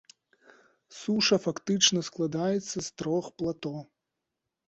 Суша фактычна складаецца з трох плато.